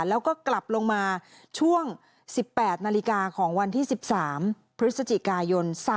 แล้วก็กลับลงมาช่วง๑๘นาฬิกาของวันที่๑๓พฤศจิกายน